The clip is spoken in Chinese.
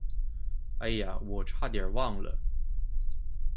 哎呀，我差点忘了。